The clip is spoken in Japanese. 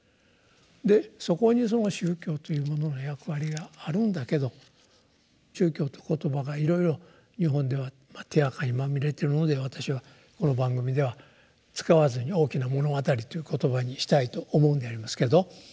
でそこに「宗教」というものの役割があるんだけど「宗教」って言葉がいろいろ日本では手あかにまみれているので私はこの番組では使わずに「大きな物語」っていう言葉にしたいと思うんでありますけど。